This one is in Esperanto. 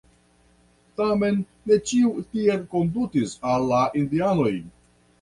Tamen ne ĉiu tiel kondutis al la indianoj.